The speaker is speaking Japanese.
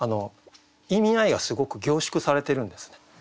意味合いがすごく凝縮されてるんですね。